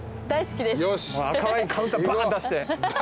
赤ワインカウンターパーン出して。